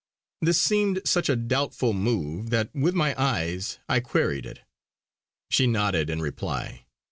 This seemed such a doubtful move that with my eyes I queried it. She nodded in reply.